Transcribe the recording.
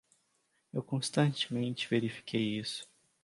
Eu constantemente verifiquei isso.